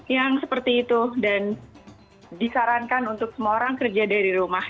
yang seperti itu dan disarankan untuk semua orang kerja dari rumah